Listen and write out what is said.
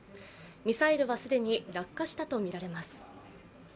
ミサイルは既に落下したとみられます。